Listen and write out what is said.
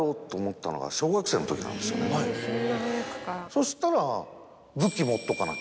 そしたら。